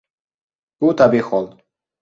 Bu tabiiy hol.